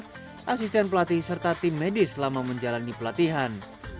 para asisten pelatih serta tim medis selama menjalani pelatihan